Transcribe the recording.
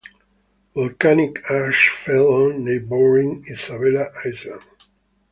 Volcanic ash fell on neighboring Isabela Island.